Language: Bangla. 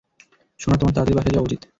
সোনা, তোমার তাড়াতাড়ি বাসায় যাওয়া উচিৎ।